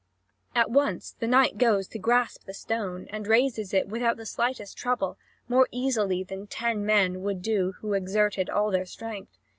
At once the knight goes to grasp the stone, and raises it without the slightest trouble, more easily than ten men would do who exerted all their strength.